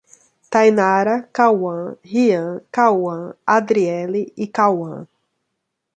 Tainara, Cauã, Rian, Kauan, Adriele e Kauã